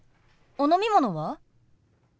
お飲み物は？